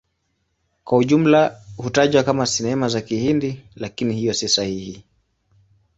Kwa ujumla hutajwa kama Sinema za Kihindi, lakini hiyo si sahihi.